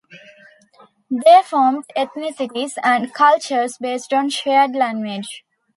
They formed ethnicities and cultures based on shared language.